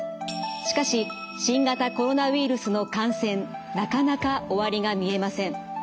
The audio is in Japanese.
しかし新型コロナウイルスの感染なかなか終わりが見えません。